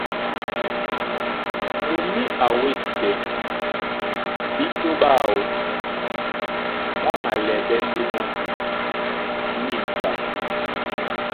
Mumí a wédi tɛ́ bíto ɓáō ɓá malɛɓɛ́ ndé mɔ́ nînka.